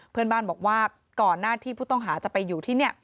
เพื่อนบ้านบอกว่าก่อนหน้าที่ผู้ต้องหาจะไปอยู่ที่นี่